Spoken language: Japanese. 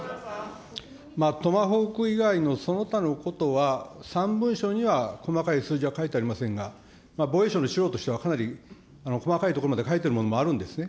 トマホーク以外のその他のことは、３文書には細かい数字は書いてありませんが、防衛省の資料としてはかなり細かいところまで書いているものもあるんですね。